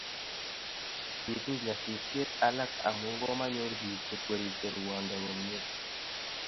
bituu nyasusiet alak amu komanyor biik chekwerishei ruondo komnyei